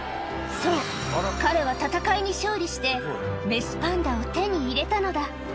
そう、彼は戦いに勝利して、雌パンダを手に入れたのだ。